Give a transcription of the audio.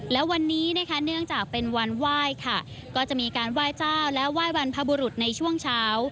และวันนี้นะคะเนื่องจากเป็นวันไหว้ค่ะก็จะมีการไหว้เจ้าและไหว้บรรพบุรุษในช่วงเช้า